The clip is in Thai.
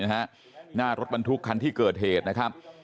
หน้ารถบรรทุกคันที่เกิดเหตุนะครับ